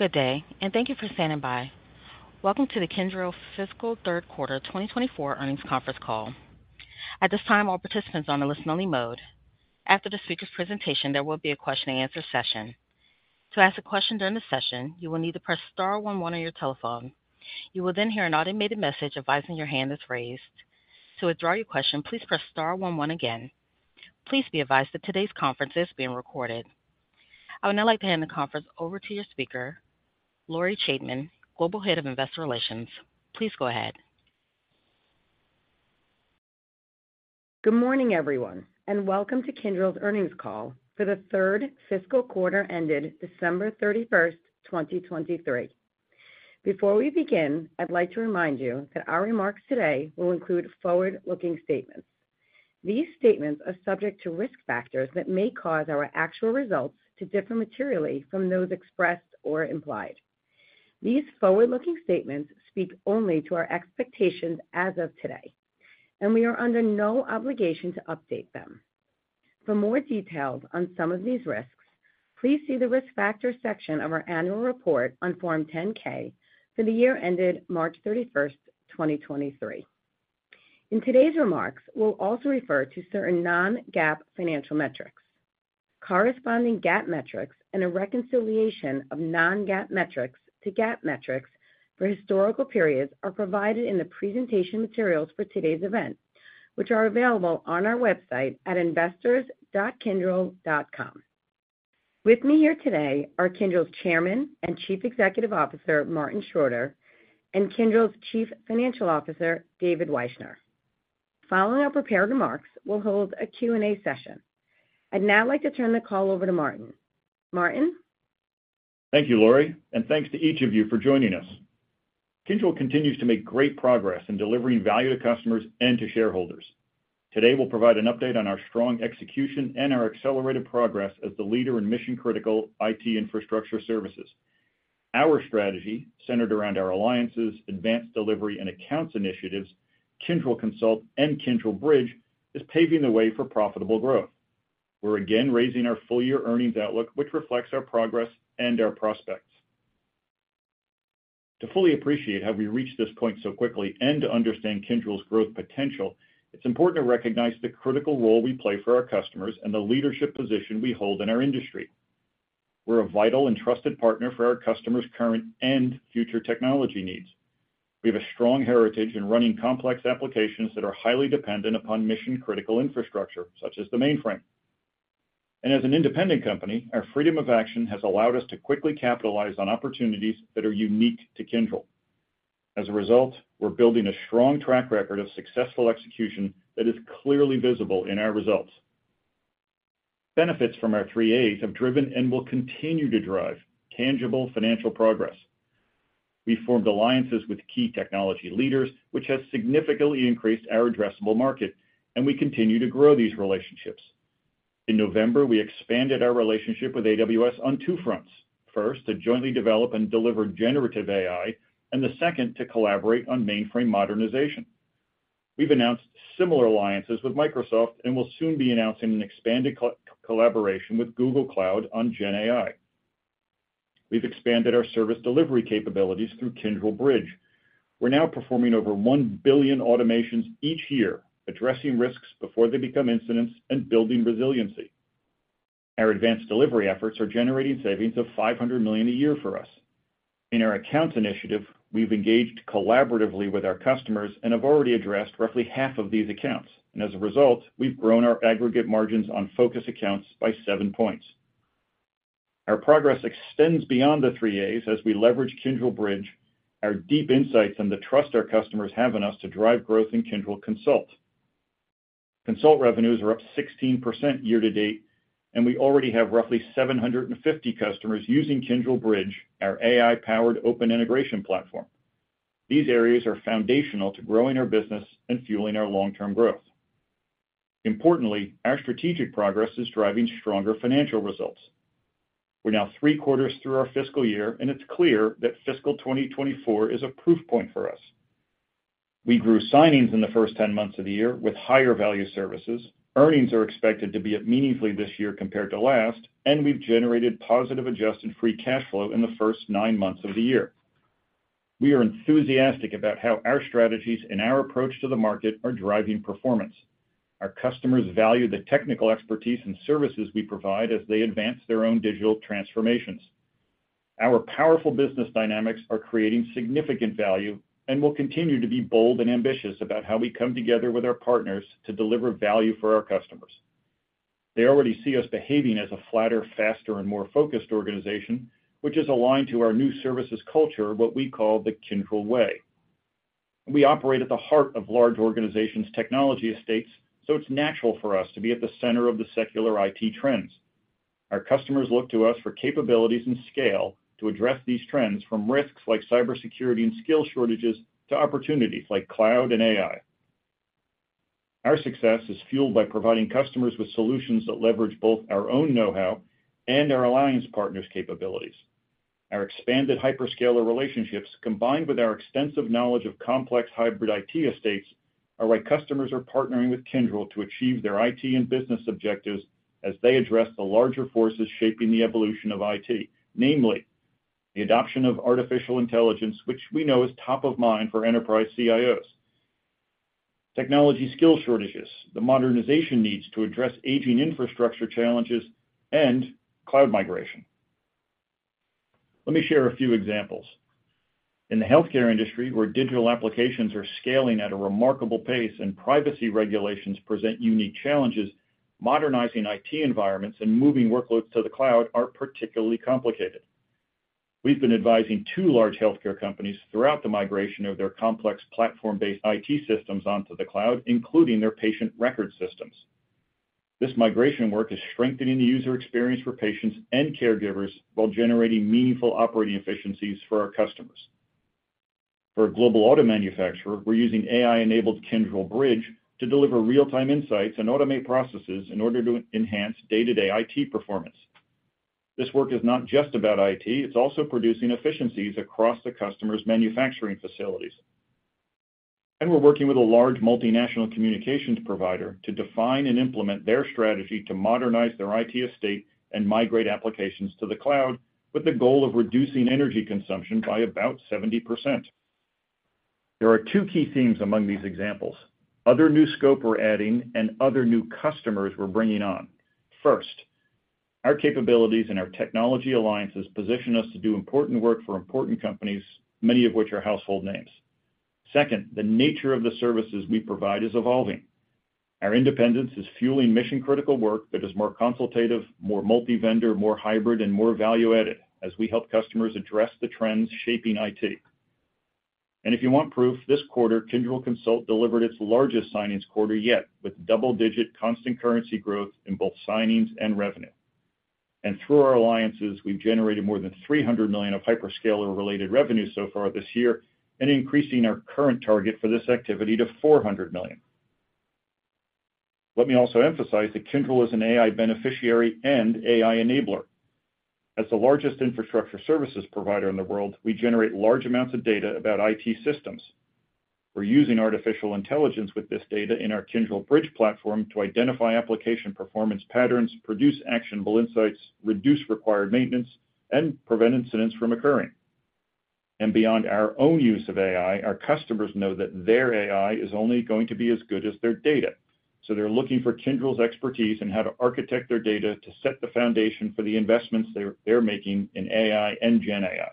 Good day, and thank you for standing by. Welcome to the Kyndryl fiscal third quarter 2024 earnings conference call. At this time, all participants are on a listen-only mode. After the speaker's presentation, there will be a question-and-answer session. To ask a question during the session, you will need to press star one one on your telephone. You will then hear an automated message advising your hand is raised. To withdraw your question, please press star one one again. Please be advised that today's conference is being recorded. I would now like to hand the conference over to your speaker, Lori Chaitman, Global Head of Investor Relations. Please go ahead. Good morning, everyone, and welcome to Kyndryl's earnings call for the third fiscal quarter ended December 31, 2023. Before we begin, I'd like to remind you that our remarks today will include forward-looking statements. These statements are subject to risk factors that may cause our actual results to differ materially from those expressed or implied. These forward-looking statements speak only to our expectations as of today, and we are under no obligation to update them. For more details on some of these risks, please see the Risk Factors section of our annual report on Form 10-K for the year ended March 31, 2023. In today's remarks, we'll also refer to certain non-GAAP financial metrics. Corresponding GAAP metrics and a reconciliation of non-GAAP metrics to GAAP metrics for historical periods are provided in the presentation materials for today's event, which are available on our website at investors.kyndryl.com. With me here today are Kyndryl's Chairman and Chief Executive Officer, Martin Schroeter, and Kyndryl's Chief Financial Officer, David Wyshner. Following our prepared remarks, we'll hold a Q&A session. I'd now like to turn the call over to Martin. Martin? Thank you, Lori, and thanks to each of you for joining us. Kyndryl continues to make great progress in delivering value to customers and to shareholders. Today, we'll provide an update on our strong execution and our accelerated progress as the leader in mission-critical IT infrastructure services. Our strategy, centered around our alliances, advanced delivery and accounts initiatives, Kyndryl Consult and Kyndryl Bridge, is paving the way for profitable growth. We're again raising our full-year earnings outlook, which reflects our progress and our prospects. To fully appreciate how we reached this point so quickly and to understand Kyndryl's growth potential, it's important to recognize the critical role we play for our customers and the leadership position we hold in our industry. We're a vital and trusted partner for our customers' current and future technology needs. We have a strong heritage in running complex applications that are highly dependent upon mission-critical infrastructure, such as the mainframe. As an independent company, our freedom of action has allowed us to quickly capitalize on opportunities that are unique to Kyndryl. As a result, we're building a strong track record of successful execution that is clearly visible in our results. Benefits from our Three -A's have driven and will continue to drive tangible financial progress. We formed alliances with key technology leaders, which has significantly increased our addressable market, and we continue to grow these relationships. In November, we expanded our relationship with AWS on two fronts. First, to jointly develop and deliver generative AI, and the second, to collaborate on mainframe modernization. We've announced similar alliances with Microsoft, and we'll soon be announcing an expanded co-collaboration with Google Cloud on GenAI. We've expanded our service delivery capabilities through Kyndryl Bridge. We're now performing over 1 billion automations each year, addressing risks before they become incidents and building resiliency. Our advanced delivery efforts are generating savings of $500 million a year for us. In our accounts initiative, we've engaged collaboratively with our customers and have already addressed roughly half of these accounts. As a result, we've grown our aggregate margins on focus accounts by 7 points. Our progress extends beyond the Three -A's as we leverage Kyndryl Bridge, our deep insights, and the trust our customers have in us to drive growth in Kyndryl Consult. Consult revenues are up 16% year to date, and we already have roughly 750 customers using Kyndryl Bridge, our AI-powered open integration platform. These areas are foundational to growing our business and fueling our long-term growth. Importantly, our strategic progress is driving stronger financial results. We're now three quarters through our fiscal year, and it's clear that fiscal 2024 is a proof point for us. We grew signings in the first 10 months of the year with higher-value services. Earnings are expected to be up meaningfully this year compared to last, and we've generated positive Adjusted Free Cash Flow in the first 9 months of the year. We are enthusiastic about how our strategies and our approach to the market are driving performance. Our customers value the technical expertise and services we provide as they advance their own digital transformations. Our powerful business dynamics are creating significant value and will continue to be bold and ambitious about how we come together with our partners to deliver value for our customers. They already see us behaving as a flatter, faster, and more focused organization, which is aligned to our new services culture, what we call the Kyndryl Way. We operate at the heart of large organizations' technology estates, so it's natural for us to be at the center of the secular IT trends. Our customers look to us for capabilities and scale to address these trends, from risks like cybersecurity and skill shortages, to opportunities like cloud and AI. Our success is fueled by providing customers with solutions that leverage both our own know-how and our alliance partners' capabilities. Our expanded hyperscaler relationships, combined with our extensive knowledge of complex hybrid IT estates, are why customers are partnering with Kyndryl to achieve their IT and business objectives... as they address the larger forces shaping the evolution of IT, namely, the adoption of artificial intelligence, which we know is top of mind for enterprise CIOs, technology skill shortages, the modernization needs to address aging infrastructure challenges, and cloud migration. Let me share a few examples. In the healthcare industry, where digital applications are scaling at a remarkable pace and privacy regulations present unique challenges, modernizing IT environments and moving workloads to the cloud are particularly complicated. We've been advising two large healthcare companies throughout the migration of their complex platform-based IT systems onto the cloud, including their patient record systems. This migration work is strengthening the user experience for patients and caregivers while generating meaningful operating efficiencies for our customers. For a global auto manufacturer, we're using AI-enabled Kyndryl Bridge to deliver real-time insights and automate processes in order to enhance day-to-day IT performance. This work is not just about IT, it's also producing efficiencies across the customer's manufacturing facilities. We're working with a large multinational communications provider to define and implement their strategy to modernize their IT estate and migrate applications to the cloud, with the goal of reducing energy consumption by about 70%. There are two key themes among these examples, other new scope we're adding and other new customers we're bringing on. First, our capabilities and our technology alliances position us to do important work for important companies, many of which are household names. Second, the nature of the services we provide is evolving. Our independence is fueling mission-critical work that is more consultative, more multi-vendor, more hybrid, and more value-added as we help customers address the trends shaping IT. If you want proof, this quarter, Kyndryl Consult delivered its largest signings quarter yet, with double-digit constant currency growth in both signings and revenue. Through our alliances, we've generated more than $300 million of hyperscaler-related revenue so far this year and increasing our current target for this activity to $400 million. Let me also emphasize that Kyndryl is an AI beneficiary and AI enabler. As the largest infrastructure services provider in the world, we generate large amounts of data about IT systems. We're using artificial intelligence with this data in our Kyndryl Bridge platform to identify application performance patterns, produce actionable insights, reduce required maintenance, and prevent incidents from occurring. And beyond our own use of AI, our customers know that their AI is only going to be as good as their data, so they're looking for Kyndryl's expertise in how to architect their data to set the foundation for the investments they're making in AI and GenAI.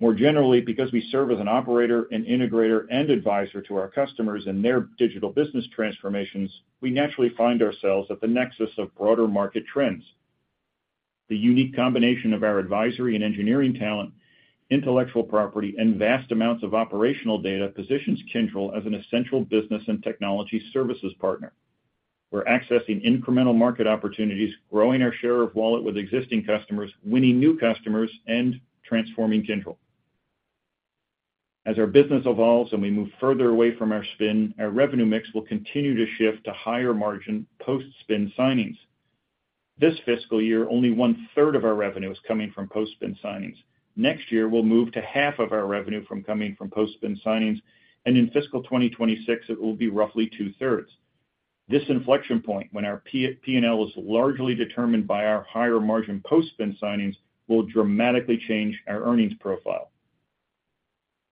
More generally, because we serve as an operator, an integrator, and advisor to our customers and their digital business transformations, we naturally find ourselves at the nexus of broader market trends. The unique combination of our advisory and engineering talent, intellectual property, and vast amounts of operational data positions Kyndryl as an essential business and technology services partner. We're accessing incremental market opportunities, growing our share of wallet with existing customers, winning new customers, and transforming Kyndryl. As our business evolves and we move further away from our spin, our revenue mix will continue to shift to higher-margin post-spin signings. This fiscal year, only 1/3 of our revenue is coming from post-spin signings. Next year, we'll move to half of our revenue from coming from post-spin signings, and in fiscal 2026, it will be roughly two-thirds. This inflection point, when our P-P&L is largely determined by our higher-margin post-spin signings, will dramatically change our earnings profile.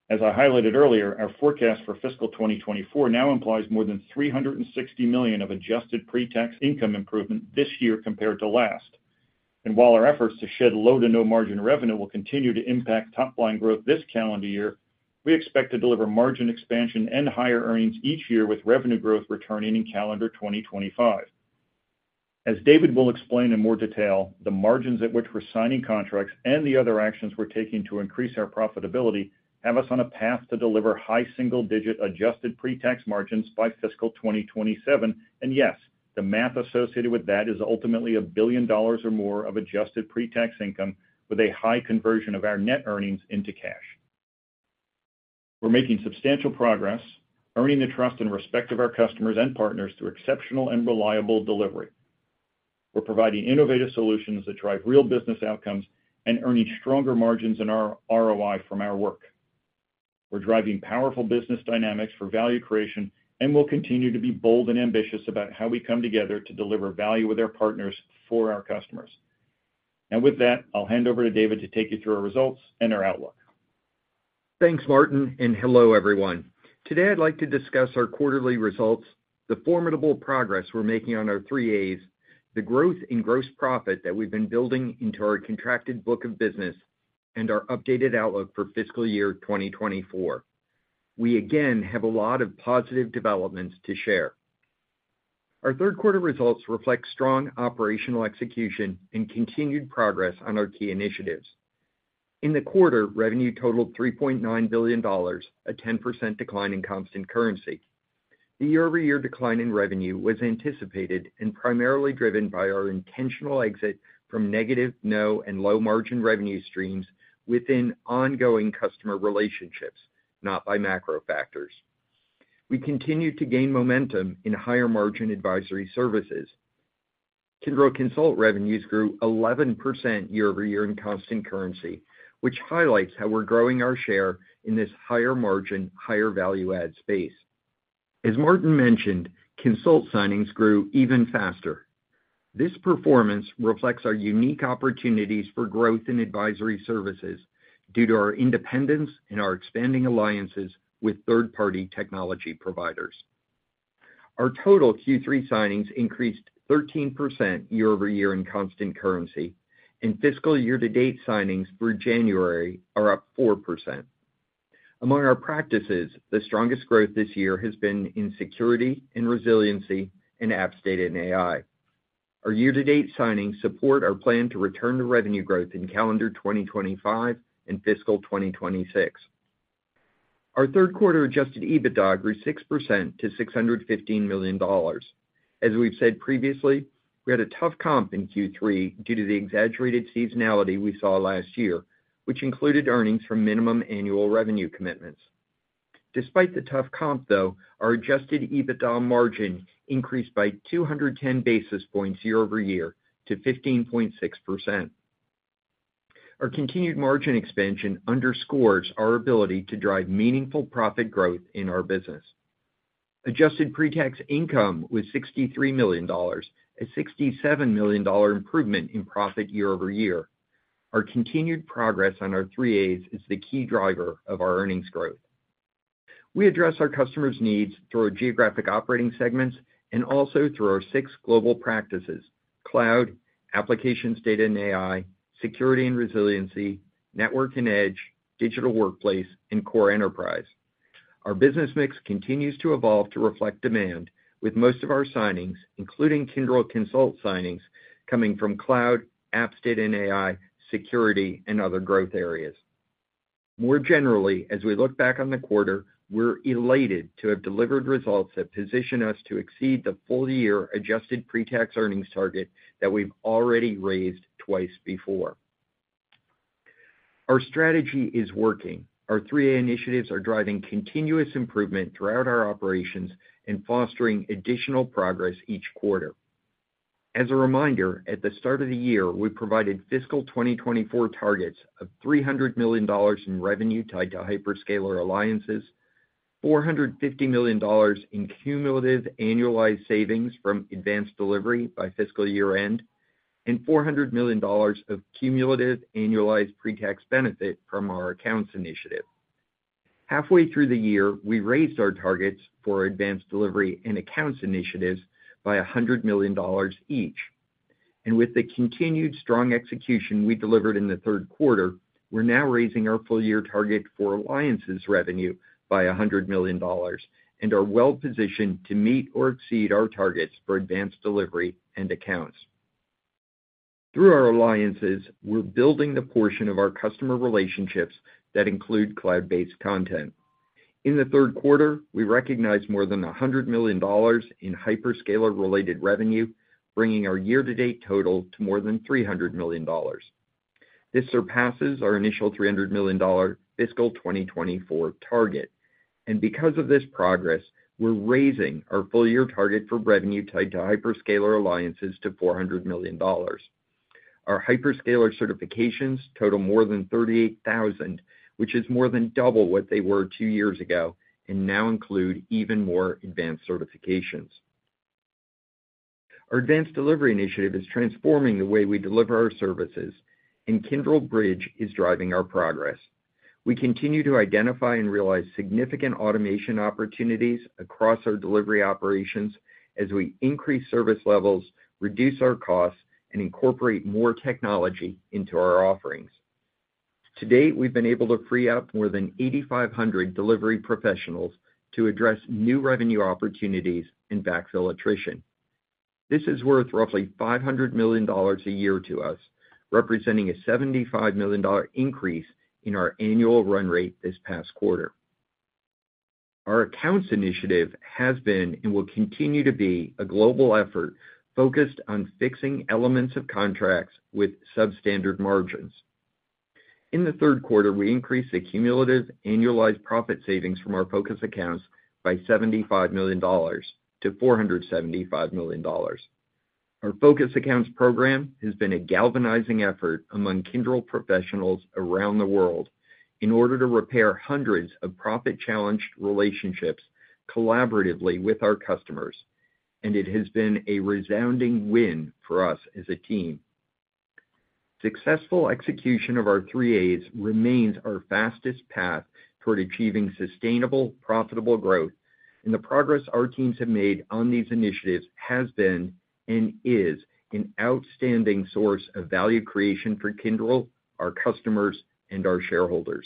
As I highlighted earlier, our forecast for fiscal 2024 now implies more than $360 million of adjusted pre-tax income improvement this year compared to last. While our efforts to shed low to no margin revenue will continue to impact top-line growth this calendar year, we expect to deliver margin expansion and higher earnings each year, with revenue growth returning in calendar 2025. As David will explain in more detail, the margins at which we're signing contracts and the other actions we're taking to increase our profitability have us on a path to deliver high single-digit adjusted pre-tax margins by fiscal 2027. Yes, the math associated with that is ultimately $1 billion or more of adjusted pre-tax income, with a high conversion of our net earnings into cash. We're making substantial progress, earning the trust and respect of our customers and partners through exceptional and reliable delivery. We're providing innovative solutions that drive real business outcomes and earning stronger margins in our ROI from our work. We're driving powerful business dynamics for value creation, and we'll continue to be bold and ambitious about how we come together to deliver value with our partners for our customers. With that, I'll hand over to David to take you through our results and our outlook. Thanks, Martin, and hello, everyone. Today, I'd like to discuss our quarterly results, the formidable progress we're making on our Three-A's, the growth in gross profit that we've been building into our contracted book of business, and our updated outlook for fiscal year 2024. We again have a lot of positive developments to share. Our third quarter results reflect strong operational execution and continued progress on our key initiatives. In the quarter, revenue totaled $3.9 billion, a 10% decline in constant currency. The year-over-year decline in revenue was anticipated and primarily driven by our intentional exit from negative, no, and low-margin revenue streams within ongoing customer relationships, not by macro factors. We continued to gain momentum in higher-margin advisory services. Kyndryl Consult revenues grew 11% year-over-year in constant currency, which highlights how we're growing our share in this higher-margin, higher-value-add space. As Martin mentioned, Kyndryl Consult signings grew even faster. This performance reflects our unique opportunities for growth in advisory services due to our independence and our expanding alliances with third-party technology providers. Our total Q3 signings increased 13% year-over-year in constant currency, and fiscal year-to-date signings through January are up 4%. Among our practices, the strongest growth this year has been in Security and Resiliency, and Apps, Data, and AI. Our year-to-date signings support our plan to return to revenue growth in calendar 2025 and fiscal 2026. Our third quarter Adjusted EBITDA grew 6% to $615 million. As we've said previously, we had a tough comp in Q3 due to the exaggerated seasonality we saw last year, which included earnings from minimum annual revenue commitments. Despite the tough comp, though, our Adjusted EBITDA margin increased by 210 basis points year-over-year to 15.6%. Our continued margin expansion underscores our ability to drive meaningful profit growth in our business. Adjusted pre-tax income was $63 million, a $67 million improvement in profit year-over-year. Our continued progress on our Three-A's is the key driver of our earnings growth. We address our customers' needs through our geographic operating segments and also through our six global practices: Cloud, Applications, Data and AI, Security and Resiliency, Network and Edge, Digital Workplace, and Core Enterprise. Our business mix continues to evolve to reflect demand, with most of our signings, including Kyndryl Consult signings, coming from cloud, apps, data, and AI, security, and other growth areas. More generally, as we look back on the quarter, we're elated to have delivered results that position us to exceed the full-year adjusted pre-tax earnings target that we've already raised twice before. Our strategy is working. Our Three-A's initiatives are driving continuous improvement throughout our operations and fostering additional progress each quarter. As a reminder, at the start of the year, we provided fiscal 2024 targets of $300 million in revenue tied to hyperscaler alliances, $450 million in cumulative annualized savings from advanced delivery by fiscal year-end, and $400 million of cumulative annualized pre-tax benefit from our accounts initiative. Halfway through the year, we raised our targets for advanced delivery and accounts initiatives by $100 million each, and with the continued strong execution we delivered in the third quarter, we're now raising our full-year target for alliances revenue by $100 million and are well-positioned to meet or exceed our targets for advanced delivery and accounts. Through our alliances, we're building the portion of our customer relationships that include cloud-based content. In the third quarter, we recognized more than $100 million in hyperscaler-related revenue, bringing our year-to-date total to more than $300 million. This surpasses our initial $300 million fiscal 2024 target, and because of this progress, we're raising our full-year target for revenue tied to hyperscaler alliances to $400 million. Our hyperscaler certifications total more than 38,000, which is more than double what they were two years ago and now include even more advanced certifications. Our advanced delivery initiative is transforming the way we deliver our services, and Kyndryl Bridge is driving our progress. We continue to identify and realize significant automation opportunities across our delivery operations as we increase service levels, reduce our costs, and incorporate more technology into our offerings. To date, we've been able to free up more than 8,500 delivery professionals to address new revenue opportunities and backfill attrition. This is worth roughly $500 million a year to us, representing a $75 million increase in our annual run rate this past quarter. Our accounts initiative has been, and will continue to be, a global effort focused on fixing elements of contracts with substandard margins. In the third quarter, we increased the cumulative annualized profit savings from our focus accounts by $75 million to $475 million. Our Focus Accounts program has been a galvanizing effort among Kyndryl professionals around the world in order to repair hundreds of profit-challenged relationships collaboratively with our customers, and it has been a resounding win for us as a team. Successful execution of our Three A's remains our fastest path toward achieving sustainable, profitable growth, and the progress our teams have made on these initiatives has been and is an outstanding source of value creation for Kyndryl, our customers, and our shareholders.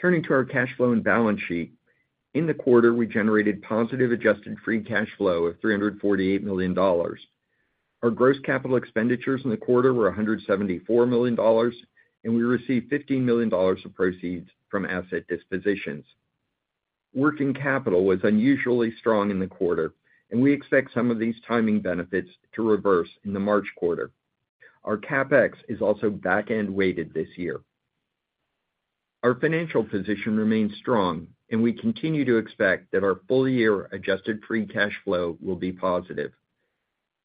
Turning to our cash flow and balance sheet. In the quarter, we generated positive adjusted free cash flow of $348 million. Our gross capital expenditures in the quarter were $174 million, and we received $15 million of proceeds from asset dispositions. Working capital was unusually strong in the quarter, and we expect some of these timing benefits to reverse in the March quarter. Our CapEx is also back-end weighted this year. Our financial position remains strong, and we continue to expect that our full-year Adjusted Free Cash Flow will be positive.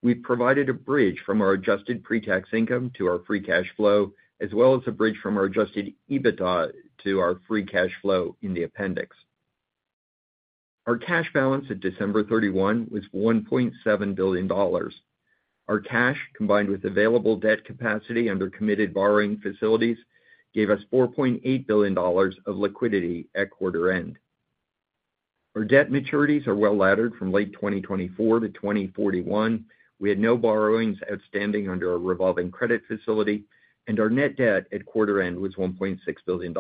We've provided a bridge from our Adjusted Pre-tax Income to our free cash flow, as well as a bridge from our Adjusted EBITDA to our free cash flow in the appendix. Our cash balance at December 31 was $1.7 billion. Our cash, combined with available debt capacity under committed borrowing facilities, gave us $4.8 billion of liquidity at quarter end. Our debt maturities are well-laddered from late 2024 to 2041. We had no borrowings outstanding under our revolving credit facility, and our net debt at quarter end was $1.6 billion.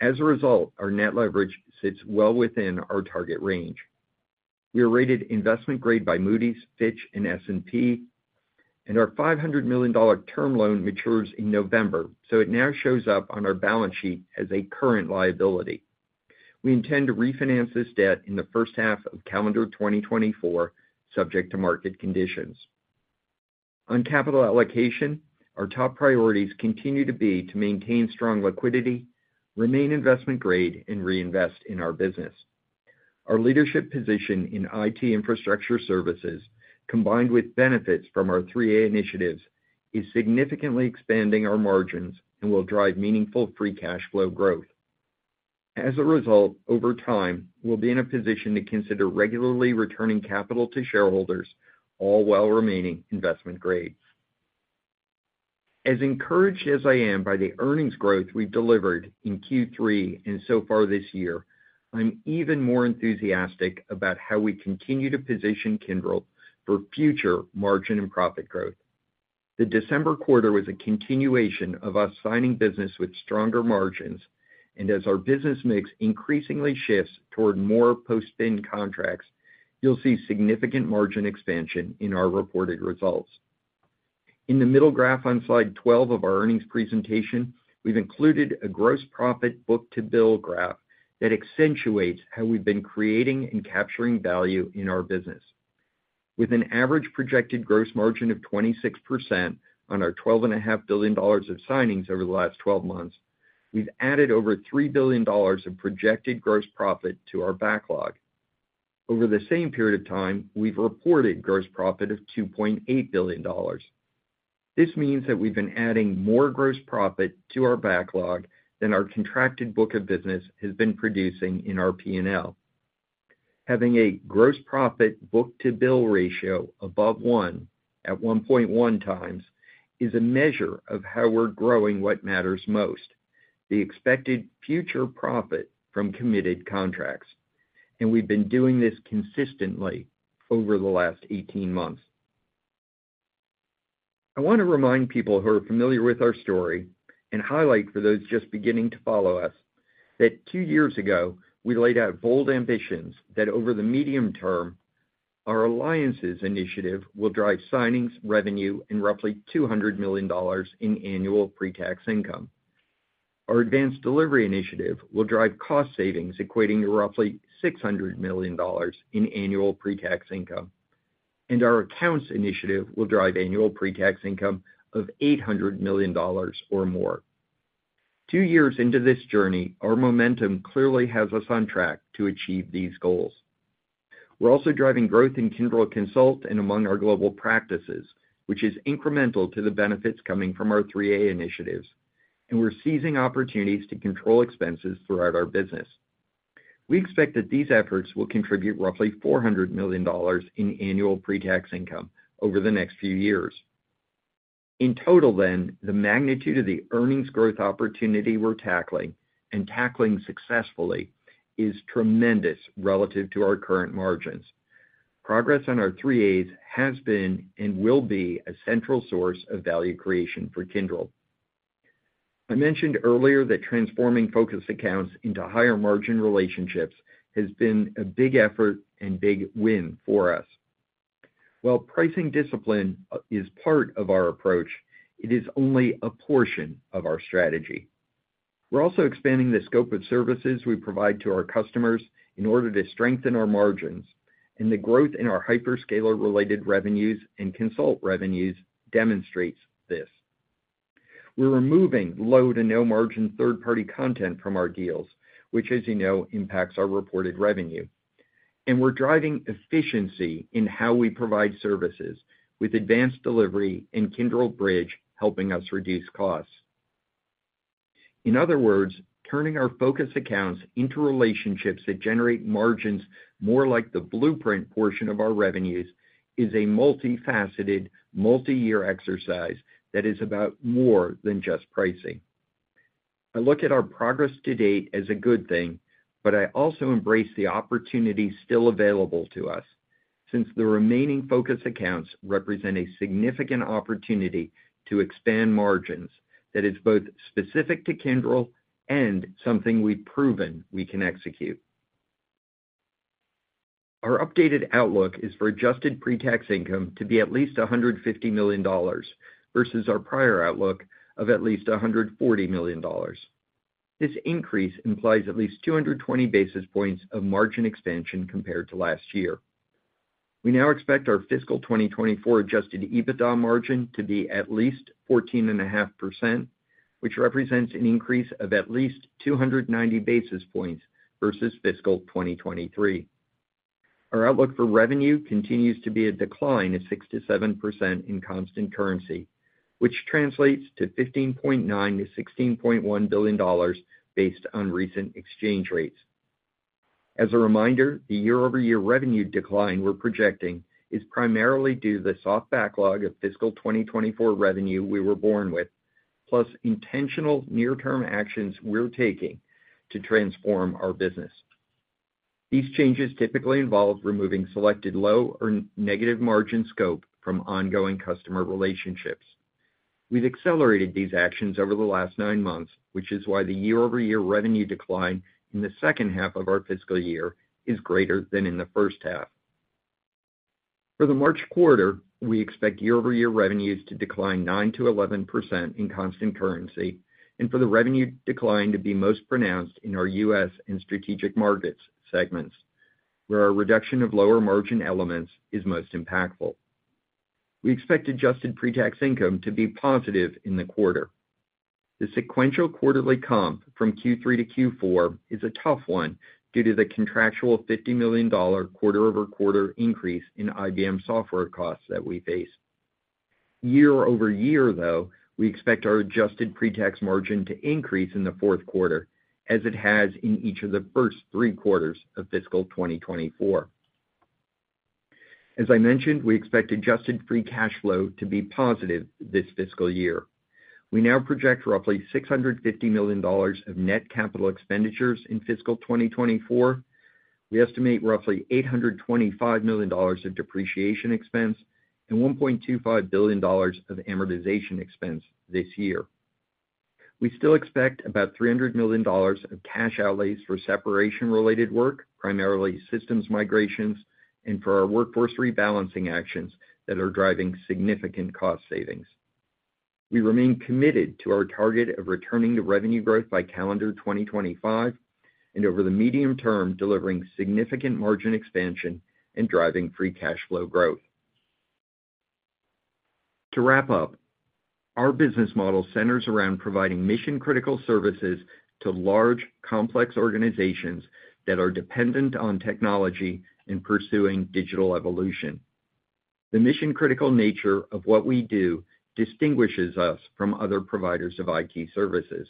As a result, our net leverage sits well within our target range. We are rated investment grade by Moody's, Fitch, and S&P, and our $500 million term loan matures in November, so it now shows up on our balance sheet as a current liability. We intend to refinance this debt in the first half of calendar 2024, subject to market conditions. On capital allocation, our top priorities continue to be to maintain strong liquidity, remain investment grade, and reinvest in our business. Our leadership position in IT infrastructure services, combined with benefits from our Three A's initiatives, is significantly expanding our margins and will drive meaningful free cash flow growth. As a result, over time, we'll be in a position to consider regularly returning capital to shareholders, all while remaining investment grade. As encouraged as I am by the earnings growth we've delivered in Q3 and so far this year, I'm even more enthusiastic about how we continue to position Kyndryl for future margin and profit growth. The December quarter was a continuation of us signing business with stronger margins, and as our business mix increasingly shifts toward more post-spin contracts, you'll see significant margin expansion in our reported results. In the middle graph on slide 12 of our earnings presentation, we've included a gross profit book-to-bill graph that accentuates how we've been creating and capturing value in our business. With an average projected gross margin of 26% on our $12.5 billion of signings over the last 12 months, we've added over $3 billion of projected gross profit to our backlog. Over the same period of time, we've reported gross profit of $2.8 billion. This means that we've been adding more gross profit to our backlog than our contracted book of business has been producing in our P&L. Having a gross profit book-to-bill ratio above one at 1.1x is a measure of how we're growing what matters most, the expected future profit from committed contracts, and we've been doing this consistently over the last 18 months. I want to remind people who are familiar with our story, and highlight for those just beginning to follow us, that two years ago, we laid out bold ambitions that over the medium term, our alliances initiative will drive signings, revenue, and roughly $200 million in annual pretax income. Our advanced delivery initiative will drive cost savings equating to roughly $600 million in annual pretax income, and our accounts initiative will drive annual pretax income of $800 million or more. Two years into this journey, our momentum clearly has us on track to achieve these goals. We're also driving growth in Kyndryl Consult and among our global practices, which is incremental to the benefits coming from our Three-A's initiatives, and we're seizing opportunities to control expenses throughout our business. We expect that these efforts will contribute roughly $400 million in annual pretax income over the next few years. In total, then, the magnitude of the earnings growth opportunity we're tackling, and tackling successfully, is tremendous relative to our current margins. Progress on our Three-A's has been and will be a central source of value creation for Kyndryl. I mentioned earlier that transforming focus accounts into higher-margin relationships has been a big effort and big win for us. While pricing discipline, is part of our approach, it is only a portion of our strategy. We're also expanding the scope of services we provide to our customers in order to strengthen our margins, and the growth in our hyperscaler-related revenues and Consult revenues demonstrates this. We're removing low to no-margin third-party content from our deals, which, as you know, impacts our reported revenue, and we're driving efficiency in how we provide services, with Advanced Delivery and Kyndryl Bridge helping us reduce costs. In other words, turning our focus accounts into relationships that generate margins more like the blueprint portion of our revenues is a multifaceted, multiyear exercise that is about more than just pricing. I look at our progress to date as a good thing, but I also embrace the opportunity still available to us, since the remaining focus accounts represent a significant opportunity to expand margins that is both specific to Kyndryl and something we've proven we can execute. Our updated outlook is for Adjusted Pre-tax Income to be at least $150 million versus our prior outlook of at least $140 million. This increase implies at least 220 basis points of margin expansion compared to last year. We now expect our fiscal 2024 Adjusted EBITDA margin to be at least 14.5%, which represents an increase of at least 290 basis points versus fiscal 2023. Our outlook for revenue continues to be a decline of 6%-7% in constant currency, which translates to $15.9 billion-$16.1 billion based on recent exchange rates. As a reminder, the year-over-year revenue decline we're projecting is primarily due to the soft backlog of fiscal 2024 revenue we were born with, plus intentional near-term actions we're taking to transform our business. These changes typically involve removing selected low or negative margin scope from ongoing customer relationships. We've accelerated these actions over the last nine months, which is why the year-over-year revenue decline in the second half of our fiscal year is greater than in the first half. For the March quarter, we expect year-over-year revenues to decline 9%-11% in constant currency, and for the revenue decline to be most pronounced in our U.S. and strategic markets segments, where our reduction of lower-margin elements is most impactful. We expect adjusted pretax income to be positive in the quarter. The sequential quarterly comp from Q3 to Q4 is a tough one due to the contractual $50 million quarter-over-quarter increase in IBM software costs that we face. Year-over-year, though, we expect our adjusted pretax margin to increase in the fourth quarter, as it has in each of the first three quarters of fiscal 2024. As I mentioned, we expect Adjusted Free Cash Flow to be positive this fiscal year. We now project roughly $650 million of net capital expenditures in fiscal 2024. We estimate roughly $825 million of depreciation expense and $1.25 billion of amortization expense this year. We still expect about $300 million of cash outlays for separation-related work, primarily systems migrations, and for our workforce rebalancing actions that are driving significant cost savings. We remain committed to our target of returning to revenue growth by calendar 2025, and over the medium term, delivering significant margin expansion and driving free cash flow growth. To wrap up, our business model centers around providing mission-critical services to large, complex organizations that are dependent on technology in pursuing digital evolution. The mission-critical nature of what we do distinguishes us from other providers of IT services.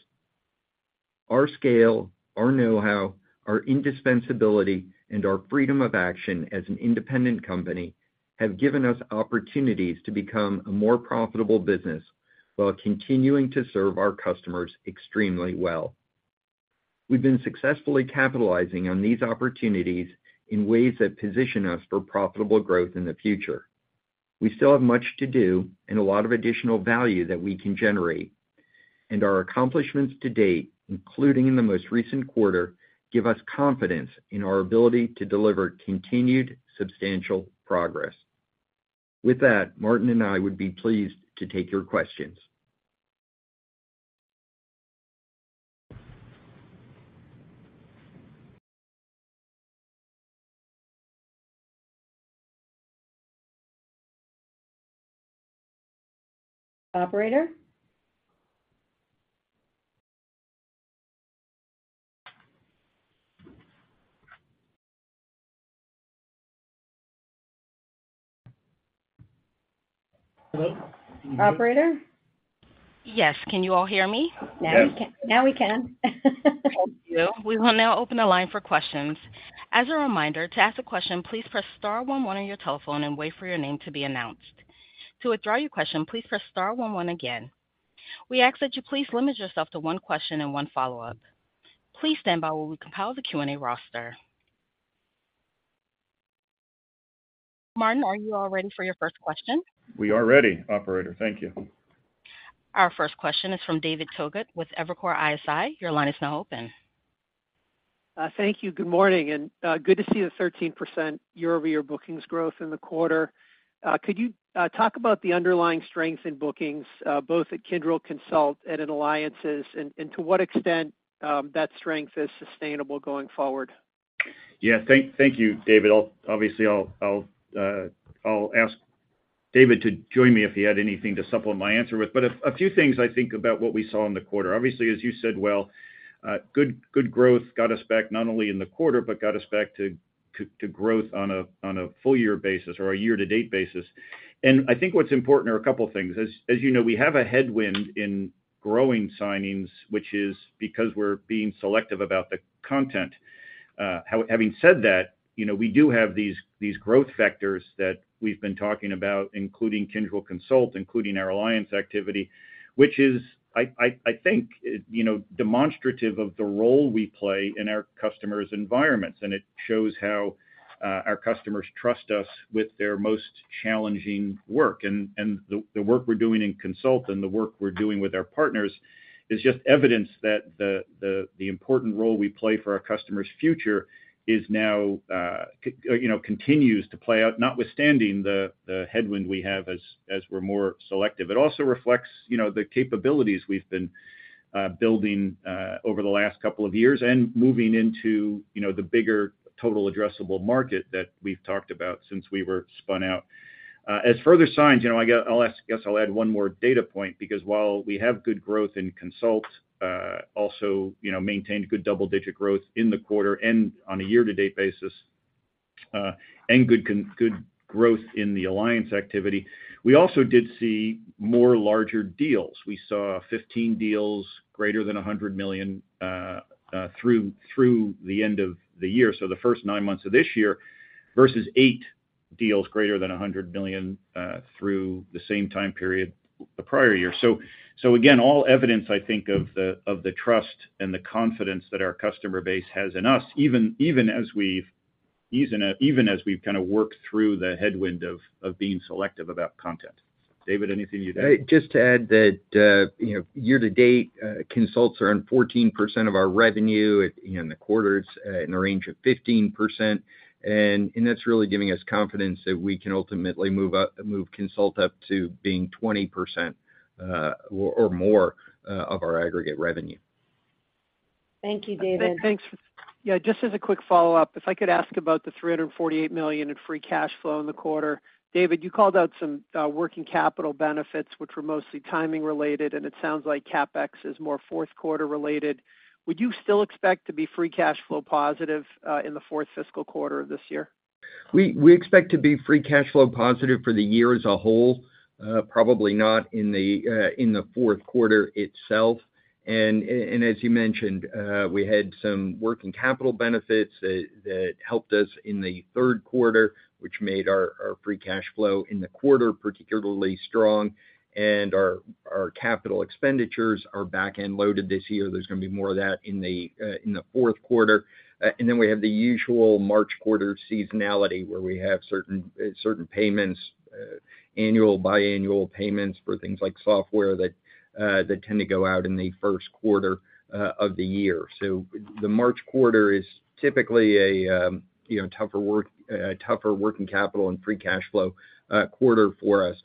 Our scale, our know-how, our indispensability, and our freedom of action as an independent company have given us opportunities to become a more profitable business while continuing to serve our customers extremely well. We've been successfully capitalizing on these opportunities in ways that position us for profitable growth in the future. We still have much to do and a lot of additional value that we can generate, and our accomplishments to date, including in the most recent quarter, give us confidence in our ability to deliver continued substantial progress. With that, Martin and I would be pleased to take your questions. Operator? Hello, operator. Yes. Can you all hear me? Now we can. Thank you. We will now open the line for questions. As a reminder, to ask a question, please press star one one on your telephone and wait for your name to be announced. To withdraw your question, please press star one one again. We ask that you please limit yourself to one question and one follow-up. Please stand by while we compile the Q&A roster. Martin, are you all ready for your first question? We are ready, operator. Thank you. Our first question is from David Togut with Evercore ISI. Your line is now open. Thank you. Good morning, and good to see the 13% year-over-year bookings growth in the quarter. Could you talk about the underlying strength in bookings, both at Kyndryl Consult and in Alliances, and to what extent that strength is sustainable going forward? Yeah, thank you, David. I'll obviously ask David to join me if he had anything to supplement my answer with. But a few things I think about what we saw in the quarter. Obviously, as you said, good growth got us back not only in the quarter, but got us back to growth on a full year basis or a year-to-date basis. I think what's important are a couple of things. As you know, we have a headwind in growing signings, which is because we're being selective about the content. Having said that, you know, we do have these, these growth vectors that we've been talking about, including Kyndryl Consult, including our alliance activity, which is, I, I, I think, you know, demonstrative of the role we play in our customers' environments, and it shows how our customers trust us with their most challenging work. And the work we're doing in Consult and the work we're doing with our partners is just evidence that the important role we play for our customer's future is now, you know, continues to play out, notwithstanding the headwind we have as we're more selective. It also reflects, you know, the capabilities we've been building over the last couple of years and moving into, you know, the bigger total addressable market that we've talked about since we were spun out. As further signs, you know, I guess I'll add, I guess I'll add one more data point, because while we have good growth in Consult, also, you know, maintained good double-digit growth in the quarter and on a year-to-date basis, and good growth in the alliance activity, we also did see more larger deals. We saw 15 deals greater than $100 million through the end of the year, so the first 9 months of this year, versus 8 deals greater than $100 million through the same time period the prior year. So, so again, all evidence, I think, of the trust and the confidence that our customer base has in us, even as we've kind of worked through the headwind of being selective about content. David, anything you'd add? Just to add that, you know, year to date, Consulting are on 14% of our revenue, in the quarter, it's in a range of 15%. And that's really giving us confidence that we can ultimately move up, move Consult up to being 20%, or more, of our aggregate revenue. Thank you, David. Thanks. Yeah, just as a quick follow-up, if I could ask about the $348 million in free cash flow in the quarter. David, you called out some working capital benefits, which were mostly timing related, and it sounds like CapEx is more fourth quarter related. Would you still expect to be free cash flow positive in the fourth fiscal quarter of this year? We expect to be free cash flow positive for the year as a whole, probably not in the fourth quarter itself. As you mentioned, we had some working capital benefits that helped us in the third quarter, which made our free cash flow in the quarter particularly strong, and our capital expenditures are back-end loaded this year. There's going to be more of that in the fourth quarter. And then we have the usual March quarter seasonality, where we have certain annual, biannual payments for things like software that tend to go out in the first quarter of the year. So the March quarter is typically, you know, a tougher working capital and free cash flow quarter for us.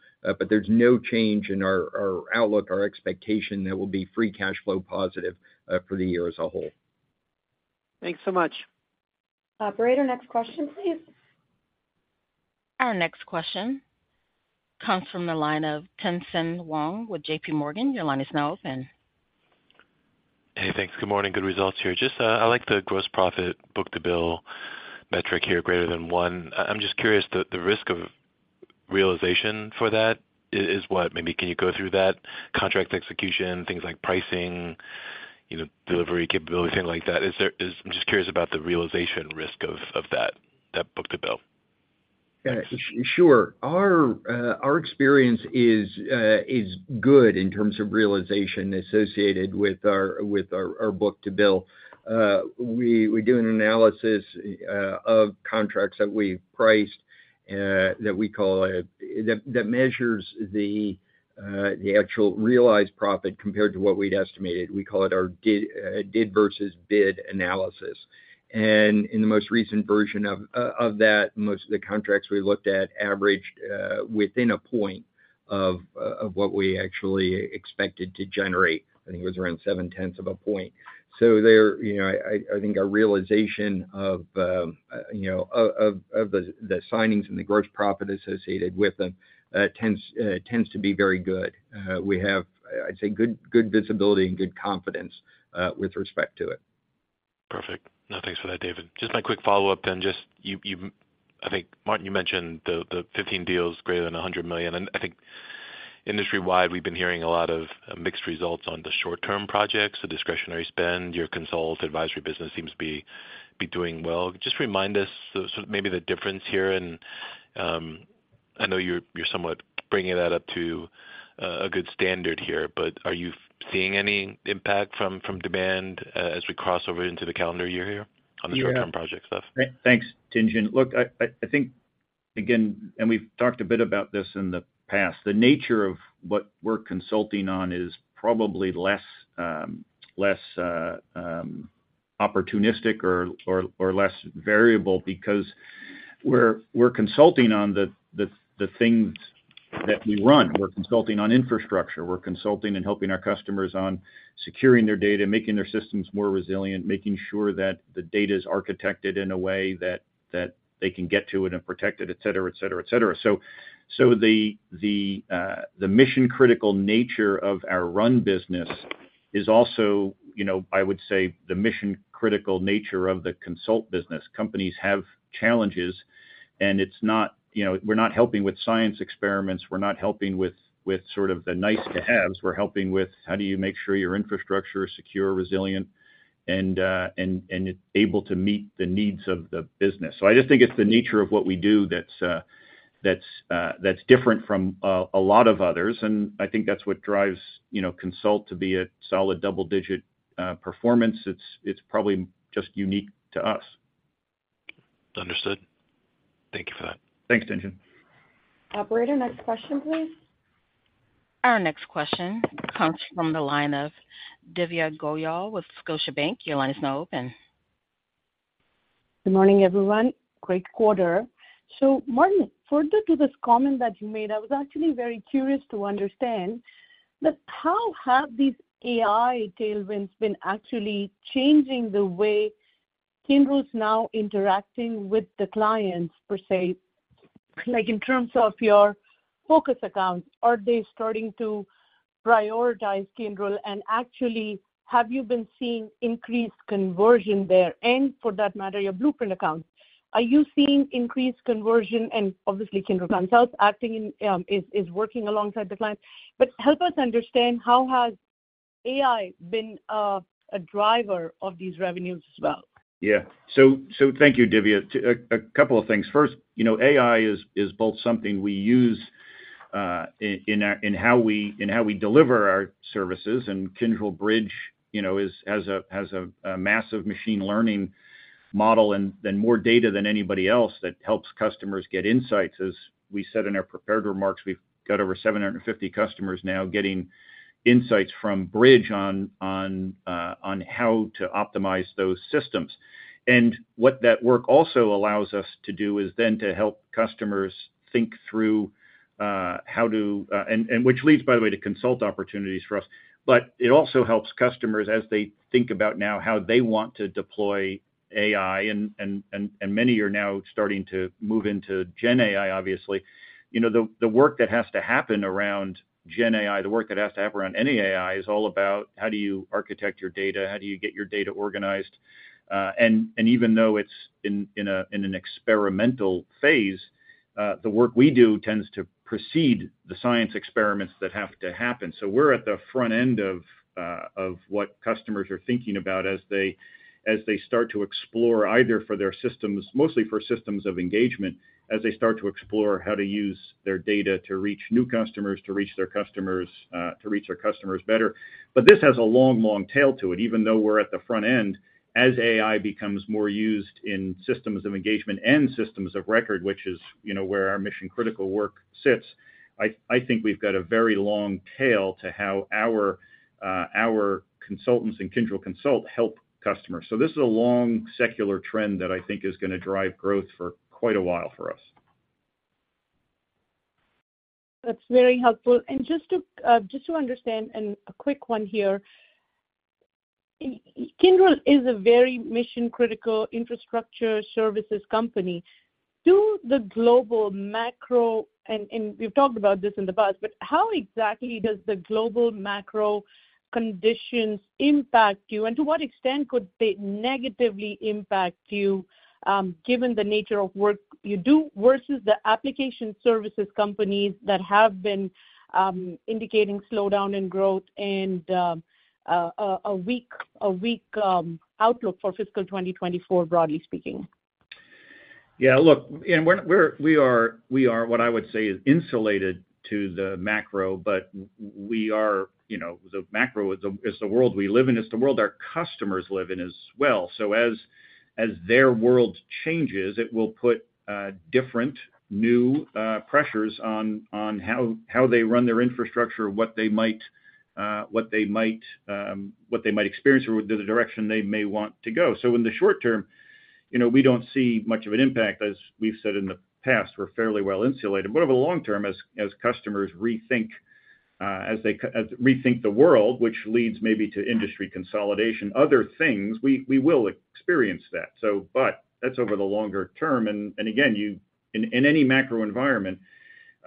There's no change in our outlook, our expectation that we'll be free cash flow positive for the year as a whole. Thanks so much. Operator, next question, please. Our next question comes from the line of Tien-tsin Huang with JPMorgan. Your line is now open. Hey, thanks. Good morning. Good results here. Just, I like the gross profit book-to-bill metric here, greater than one. I'm just curious, the risk of realization for that is what? Maybe can you go through that? Contract execution, things like pricing, you know, delivery capability, anything like that. Is there... I'm just curious about the realization risk of that book-to-bill. Yeah, sure. Our experience is good in terms of realization associated with our book-to-bill. We do an analysis of contracts that we've priced that we call that measures the actual realized profit compared to what we'd estimated. We call it our did versus bid analysis. And in the most recent version of that, most of the contracts we looked at averaged within a point of what we actually expected to generate. I think it was around 0.7 of a point. So there, you know, I think our realization of, you know, of the signings and the gross profit associated with them tends to be very good. We have, I'd say, good, good visibility and good confidence with respect to it. Perfect. Now, thanks for that, David. Just my quick follow-up then, just you, I think, Martin, you mentioned the 15 deals greater than $100 million, and I think industry-wide, we've been hearing a lot of mixed results on the short-term projects, the discretionary spend, your Consult advisory business seems to be doing well. Just remind us sort of maybe the difference here in. I know you're somewhat bringing that up to a good standard here, but are you seeing any impact from demand as we cross over into the calendar year here on the short-term project stuff? Thanks, Tien-Tsin. Look, I think, again, and we've talked a bit about this in the past, the nature of what we're consulting on is probably less opportunistic or less variable because we're consulting on the things that we run. We're consulting on infrastructure. We're consulting and helping our customers on securing their data, making their systems more resilient, making sure that the data is architected in a way that they can get to it and protect it, et cetera, et cetera, et cetera. So the mission-critical nature of our run business is also, you know, I would say, the mission-critical nature of the Consult Business. Companies have challenges, and it's not, you know, we're not helping with science experiments, we're not helping with sort of the nice to haves. We're helping with how do you make sure your infrastructure is secure, resilient, and able to meet the needs of the business. So I just think it's the nature of what we do that's different from a lot of others, and I think that's what drives, you know, Consult to be a solid double-digit performance. It's probably just unique to us. Understood. Thank you for that. Thanks, Tien-Tsin. Operator, next question, please. Our next question comes from the line of Divya Goyal with Scotiabank. Your line is now open. Good morning, everyone. Great quarter. So Martin, further to this comment that you made, I was actually very curious to understand that how have these AI tailwinds been actually changing the way Kyndryl's now interacting with the clients per se, like in terms of your focus accounts, are they starting to prioritize Kyndryl? And actually, have you been seeing increased conversion there? And for that matter, your blueprint accounts, are you seeing increased conversion? And obviously, Kyndryl Consult acting in, is working alongside the clients. But help us understand, how has AI been a driver of these revenues as well? Yeah. So thank you, Divya. To a couple of things. First, you know, AI is both something we use in how we deliver our services, and Kyndryl Bridge, you know, has a massive machine learning model and then more data than anybody else that helps customers get insights. As we said in our prepared remarks, we've got over 750 customers now getting insights from Bridge on how to optimize those systems. And what that work also allows us to do is then to help customers think through how to and which leads, by the way, to Consult opportunities for us. But it also helps customers as they think about now how they want to deploy AI, and many are now starting to move into GenAI, obviously. You know, the work that has to happen around GenAI, the work that has to happen around any AI, is all about how do you architect your data? How do you get your data organized? And even though it's in an experimental phase, the work we do tends to precede the science experiments that have to happen. So we're at the front end of what customers are thinking about as they start to explore, either for their systems, mostly for systems of engagement, as they start to explore how to use their data to reach new customers, to reach their customers, to reach their customers better. But this has a long, long tail to it, even though we're at the front end. As AI becomes more used in systems of engagement and systems of record, which is, you know, where our mission-critical work sits, I, I think we've got a very long tail to how our, our consultants and Kyndryl Consult help customers. So this is a long secular trend that I think is gonna drive growth for quite a while for us. That's very helpful. And just to understand, and a quick one here. Kyndryl is a very mission-critical infrastructure services company. Do the global macro. And we've talked about this in the past, but how exactly does the global macro conditions impact you? And to what extent could they negatively impact you, given the nature of work you do, versus the application services companies that have been indicating slowdown in growth and a weak outlook for fiscal 2024, broadly speaking? Yeah, look, and we are what I would say insulated to the macro, but we are, you know, the macro is the world we live in, it's the world our customers live in as well. So as their world changes, it will put different, new pressures on how they run their infrastructure, what they might experience, or the direction they may want to go. So in the short term, you know, we don't see much of an impact. As we've said in the past, we're fairly well insulated. But over the long term, as customers rethink the world, which leads maybe to industry consolidation, other things, we will experience that. But that's over the longer term, and again, in any macro environment,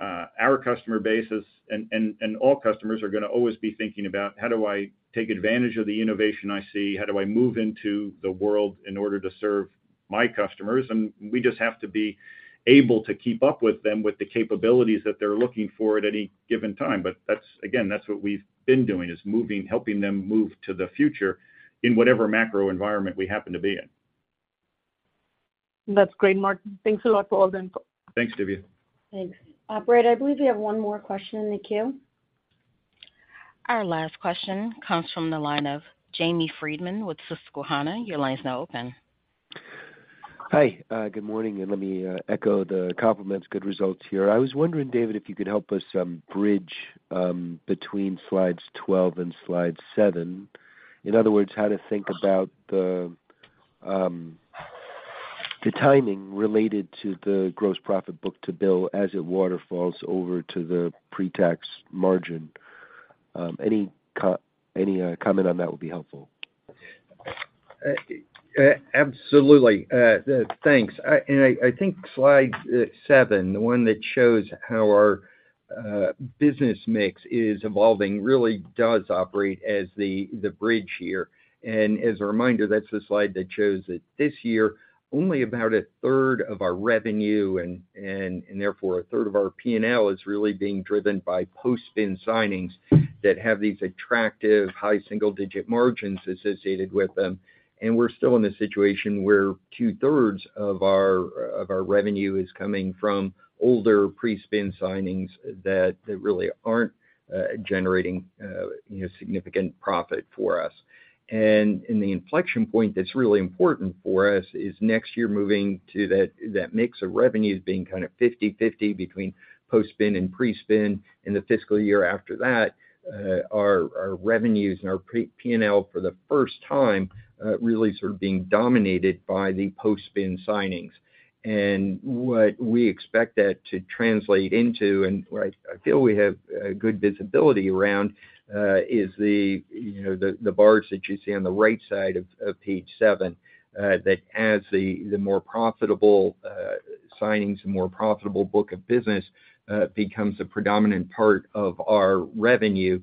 our customer base is, and all customers are gonna always be thinking about: How do I take advantage of the innovation I see? How do I move into the world in order to serve my customers? And we just have to be able to keep up with them with the capabilities that they're looking for at any given time. But that's, again, that's what we've been doing, is moving, helping them move to the future in whatever macro environment we happen to be in. That's great, Martin. Thanks a lot for all the info. Thanks, Divya. Thanks. Operator, I believe you have one more question in the queue. Our last question comes from the line of Jamie Friedman with Susquehanna. Your line is now open. Hi, good morning, and let me echo the compliments. Good results here. I was wondering, David, if you could help us bridge between slides 12 and slide 7. In other words, how to think about the timing related to the gross profit book-to-bill as it waterfalls over to the pre-tax margin. Any comment on that would be helpful. Absolutely. Thanks. And I think slide 7, the one that shows how our business mix is evolving, really does operate as the bridge here. And as a reminder, that's the slide that shows that this year, only about a third of our revenue and therefore a third of our P&L is really being driven by post-spin signings that have these attractive high single-digit margins associated with them. And we're still in a situation where 2/3 of our revenue is coming from older pre-spin signings that really aren't generating you know significant profit for us. And in the inflection point that's really important for us is next year moving to that mix of revenues being kind of 50/50 between post-spin and pre-spin. In the fiscal year after that, our revenues and our pre-P&L, for the first time, really sort of being dominated by the post-spin signings. And what we expect that to translate into, and where I feel we have good visibility around, is the, you know, the bars that you see on the right side of page seven. That as the more profitable, signing some more profitable book of business becomes a predominant part of our revenue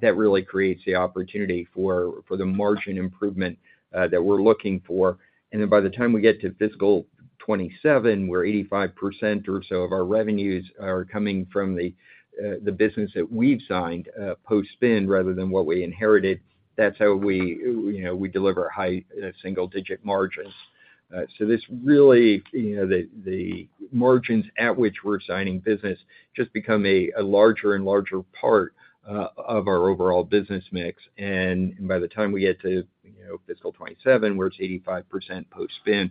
that really creates the opportunity for the margin improvement that we're looking for. And then by the time we get to fiscal 2027, where 85% or so of our revenues are coming from the business that we've signed post-spin, rather than what we inherited, that's how we, you know, we deliver high single-digit margins. So this really, you know, the margins at which we're signing business just become a larger and larger part of our overall business mix. And by the time we get to, you know, fiscal 2027, where it's 85% post-spin,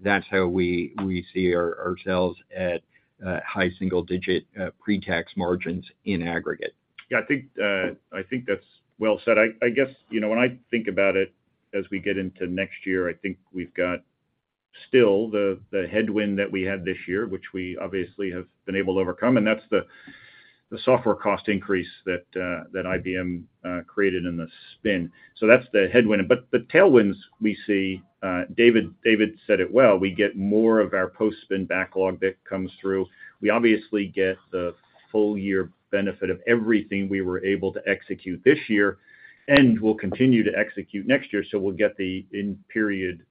that's how we see ourselves at high single-digit pre-tax margins in aggregate. Yeah, I think, I think that's well said. I, I guess, you know, when I think about it as we get into next year, I think we've got still the, the headwind that we had this year, which we obviously have been able to overcome, and that's the, the software cost increase that that IBM created in the spin. So that's the headwind. But the tailwinds we see, David, David said it well, we get more of our post-spin backlog that comes through. We obviously get the full year benefit of everything we were able to execute this year, and we'll continue to execute next year, so we'll get the in-period,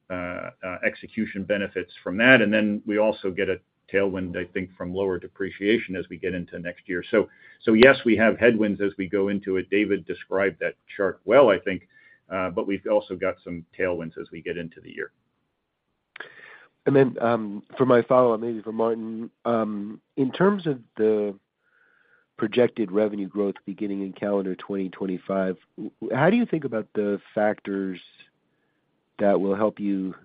execution benefits from that. And then we also get a tailwind, I think, from lower depreciation as we get into next year. So, so yes, we have headwinds as we go into it. David described that chart well, I think, but we've also got some tailwinds as we get into the year. And then, for my follow-up, maybe for Martin, in terms of the projected revenue growth beginning in calendar 2025, how do you think about the factors that will help you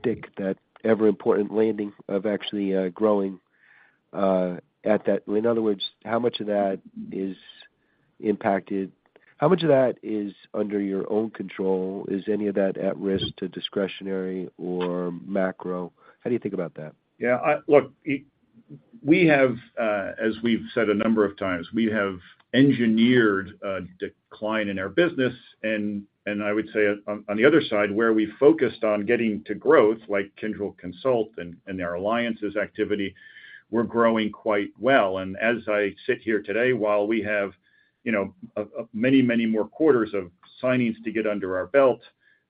stick that ever-important landing of actually growing at that, well, in other words, how much of that is impacted? How much of that is under your own control? Is any of that at risk to discretionary or macro? How do you think about that? Yeah, look, we have, as we've said a number of times, we have engineered a decline in our business, and, and I would say on, on the other side, where we focused on getting to growth, like Kyndryl Consult and, and our alliances activity, we're growing quite well. And as I sit here today, while we have, you know, many, many more quarters of signings to get under our belt,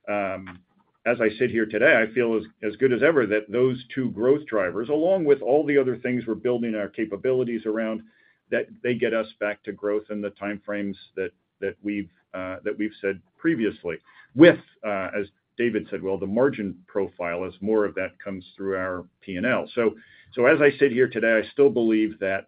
as I sit here today, I feel as good as ever that those two growth drivers, along with all the other things we're building our capabilities around, that they get us back to growth in the time frames that we've said previously. With, as David said, well, the margin profile as more of that comes through our P&L. So, as I sit here today, I still believe that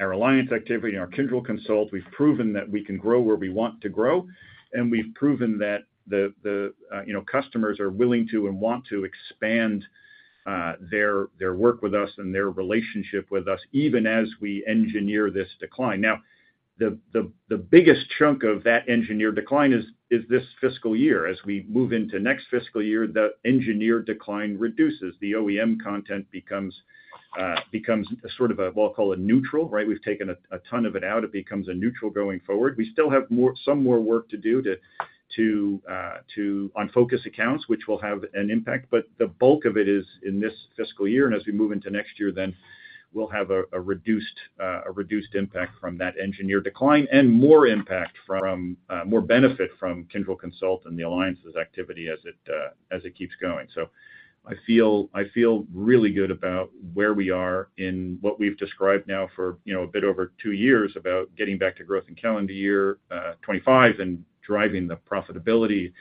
our alliance activity and our Kyndryl Consult, we've proven that we can grow where we want to grow, and we've proven that the, you know, customers are willing to and want to expand their, their work with us and their relationship with us, even as we engineer this decline. Now, the biggest chunk of that engineered decline is this fiscal year. As we move into next fiscal year, the engineered decline reduces. The OEM content becomes sort of a, well, I'll call it neutral, right? We've taken a ton of it out. It becomes a neutral going forward. We still have some more work to do to on focus accounts, which will have an impact, but the bulk of it is in this fiscal year. As we move into next year, then we'll have a reduced impact from that engineered decline and more impact from more benefit from Kyndryl Consult and the alliances activity as it keeps going. So I feel really good about where we are in what we've described now for, you know, a bit over two years, about getting back to growth in calendar year 2025 and driving the profitability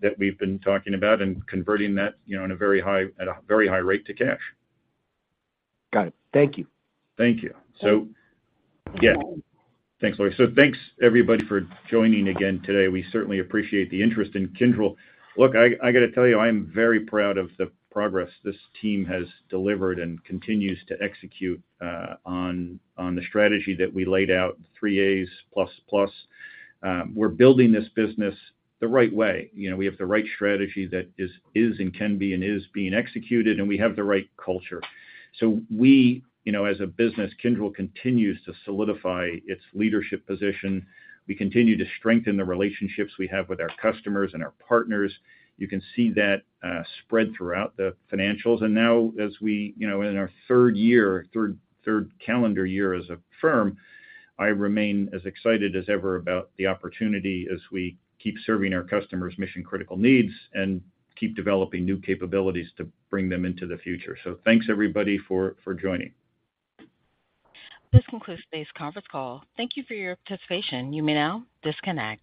that we've been talking about and converting that, you know, at a very high rate to cash. Got it. Thank you. Thank you. So, yeah. Thanks, Lori. So thanks, everybody, for joining again today. We certainly appreciate the interest in Kyndryl. Look, I, I gotta tell you, I am very proud of the progress this team has delivered and continues to execute on the strategy that we laid out, Three-A's. We're building this business the right way. You know, we have the right strategy that is and can be and is being executed, and we have the right culture. So we, you know, as a business, Kyndryl continues to solidify its leadership position. We continue to strengthen the relationships we have with our customers and our partners. You can see that spread throughout the financials. And now, as we, you know, in our third calendar year as a firm, I remain as excited as ever about the opportunity as we keep serving our customers' mission-critical needs and keep developing new capabilities to bring them into the future. So thanks, everybody, for joining. This concludes today's conference call. Thank you for your participation. You may now disconnect.